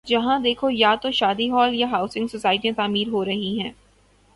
جہاں دیکھو یا تو شادی ہال یا ہاؤسنگ سوسائٹیاں تعمیر ہو رہی ہیں۔